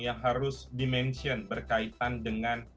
yang harus dimention berkaitan dengan